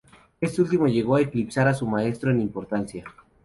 Este último llegó a eclipsar a su maestro en importancia.